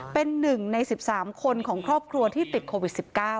เป็น๑ใน๑๓คนของครอบครัวที่ติดโควิด๑๙